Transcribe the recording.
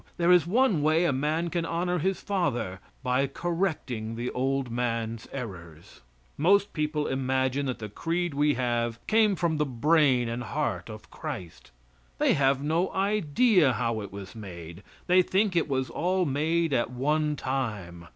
There is one way a man can honor his father by correcting the old man's errors. Most people imagine that the creed we have came from the brain and heart of Christ. They have no idea how it was made. They think it was all made at one time.